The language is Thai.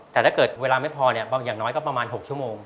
แต่ถ้าเกิดเวลาไม่พอเนี่ยบางอย่างน้อยก็ประมาณ๖ชั่วโมง